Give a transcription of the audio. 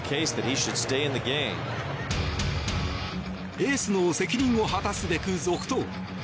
エースの責任を果たすべく続投。